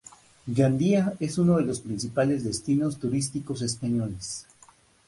Gandía es uno de los principales destinos turísticos españoles.